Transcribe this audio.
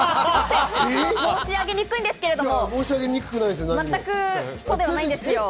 申し上げにくいんですけれども。